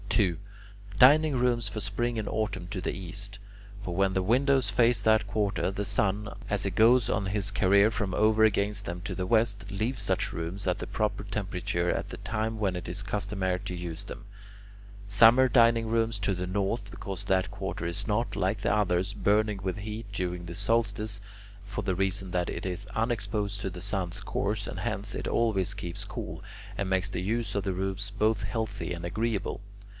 2. Dining rooms for Spring and Autumn to the east; for when the windows face that quarter, the sun, as he goes on his career from over against them to the west, leaves such rooms at the proper temperature at the time when it is customary to use them. Summer dining rooms to the north, because that quarter is not, like the others, burning with heat during the solstice, for the reason that it is unexposed to the sun's course, and hence it always keeps cool, and makes the use of the rooms both healthy and agreeable.